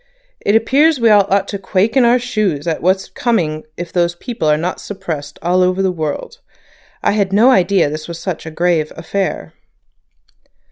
It appears we all ought to quake in our shoes at what's coming if those people are not suppressed all over the world. I had no idea this was such a grave affair."